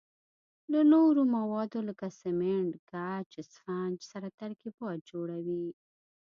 له نورو موادو لکه سمنټ، ګچ او اسفنج سره ترکیبات جوړوي.